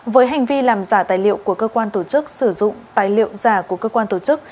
với hành vi làm giả tài liệu của cơ quan tổ chức sử dụng tài liệu giả của cơ quan tổ chức